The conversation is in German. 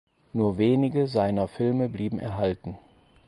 Nur wenige seiner Filme blieben erhalten.